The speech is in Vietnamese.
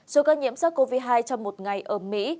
số ca nhiễm sars cov hai trong một ngày ở mỹ